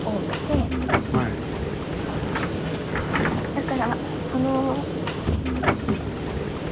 だからその。